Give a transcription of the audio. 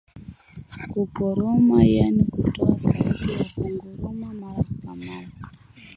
Kukoroma yaani kutoa sauti ya kunguruma mara kwa mara